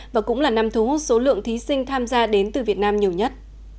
và cũng là năm thu hút số lượng thí sinh tham gia đến từ việt nam nhiều nhất